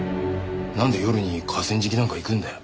なんで夜に河川敷なんか行くんだよ。